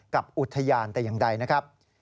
กับอุทยานแต่อย่างใดนะครับ